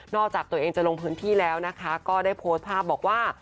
จากตัวเองจะลงพื้นที่แล้วนะคะก็ได้โพสต์ภาพบอกว่า